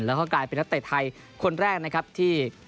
แล้วก็กลายเป็นทัศน์ไทยคนแรกที่